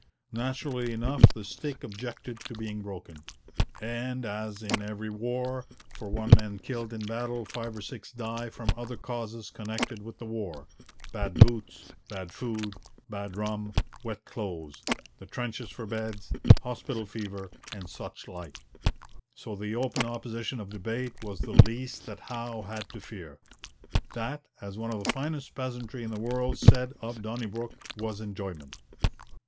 Naturally enough, the stick objected to being broken. And as in every war, for one man killed in battle five or six die from other causes connected with the war bad boots, bad food, bad rum, wet clothes, the trenches for beds, hospital fever, and such like so the open opposition of debate was the least that Howe had to fear. That, as one of the finest peasantry in the world said of Donnybrook, 'was enjoyment.'